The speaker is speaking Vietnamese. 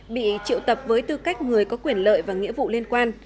bị triệu tập với tư cách người có quyền lợi và nghĩa vụ liên quan